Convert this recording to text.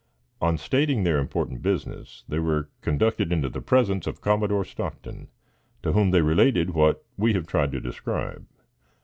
On stating their important business, they were conducted into the presence of Commodore Stockton, to whom they related what we have tried to describe.